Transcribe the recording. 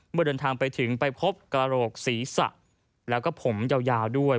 เมื่อเดินทางไปถึงไปพบกระโรคศรีสะและผมยาวด้วย